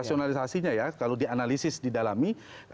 rasionalisasinya ya kalau dianalisis didalami